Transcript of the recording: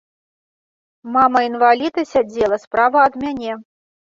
Мама інваліда сядзела справа ад мяне.